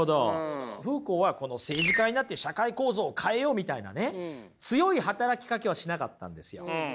フーコーは政治家になって社会構造を変えようみたいなね強い働きかけはしなかったんですよ。